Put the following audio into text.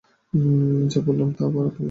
যা বললাম তা আবার বলে দেখা তো।